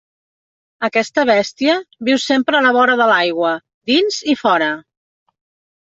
Aquesta bèstia viu sempre a la vora de l'aigua, dins i fora.